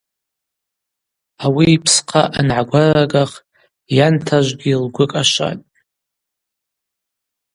Ауи йпсхъа ангӏагвараргах йан тажвгьи лгвы кӏашватӏ.